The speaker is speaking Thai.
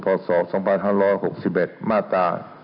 พศ๒๖๖๑มาตร๗๖